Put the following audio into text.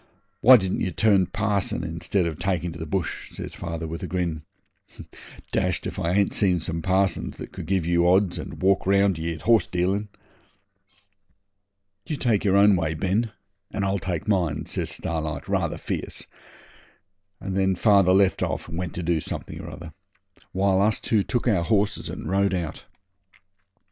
Why didn't ye turn parson instead of taking to the bush?' says father, with a grin. 'Dashed if I ain't seen some parsons that could give you odds and walk round ye at horse dealin'.' 'You take your own way, Ben, and I'll take mine,' says Starlight rather fierce, and then father left off and went to do something or other, while us two took our horses and rode out.